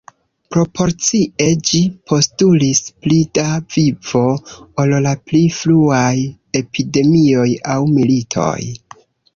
Proporcie, ĝi postulis pli da vivo ol la pli fruaj epidemioj aŭ militoj.